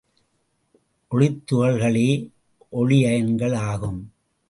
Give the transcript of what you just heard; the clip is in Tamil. ஒளித்துகள்களே ஒளியன்கள் ஆகும்.